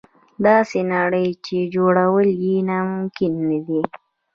داسې نړۍ چې جوړول یې ناممکن نه دي.